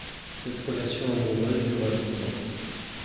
Cette relation amoureuse dura dix ans.